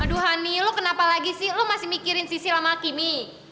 aduh hani lo kenapa lagi sih lo masih mikirin sisil sama kimi